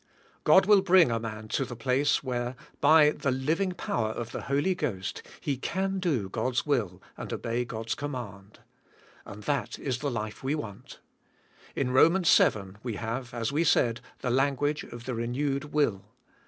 God will bring a man to the place where, by the living power of the Holy Ghost, he can do God's will and obey God's command. And that is the life we want. In Romans, seven, we have, as we said, the language of the renewed will.